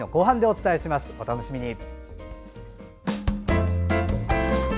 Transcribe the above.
お楽しみに。